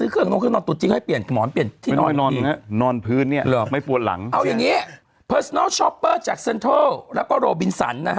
เขาจะมีโปรโมชั่นตัวนั้น